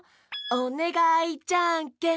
「おねがいじゃんけん」